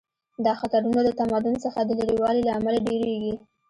دا خطرونه د تمدن څخه د لرې والي له امله ډیریږي